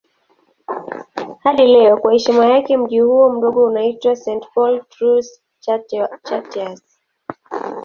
Hadi leo kwa heshima yake mji huo mdogo unaitwa St. Paul Trois-Chateaux.